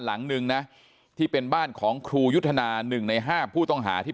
หลังนึงนะที่เป็นบ้านของครูยุทธนาหนึ่งในห้าผู้ต้องหาที่